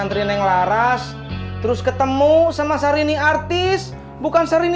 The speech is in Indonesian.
oke yang ketemu sama si hari ini